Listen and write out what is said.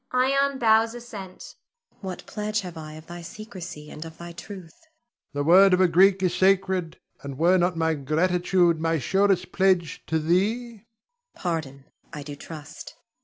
[Ion bows assent.] What pledge have I of thy secrecy, and of thy truth? Ion. The word of a Greek is sacred, and were not my gratitude my surest pledge to thee? Zuleika. Pardon, I do trust.